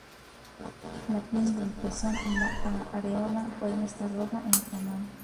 La piel del pezón y la areola puede estar roja e inflamada.